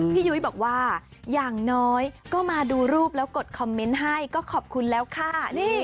ยุ้ยบอกว่าอย่างน้อยก็มาดูรูปแล้วกดคอมเมนต์ให้ก็ขอบคุณแล้วค่ะ